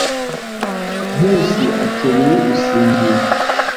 Nkusi akeneye gusinzira.